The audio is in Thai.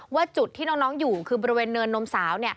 ว่าจุดที่น้องอยู่คือบริเวณเนินนมสาว